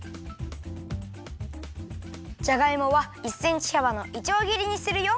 じゃがいもは１センチはばのいちょうぎりにするよ。